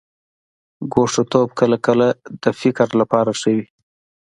ګوښه توب کله کله د فکر لپاره ښه وي.